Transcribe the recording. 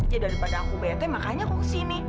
ya daripada aku bete makanya aku kesini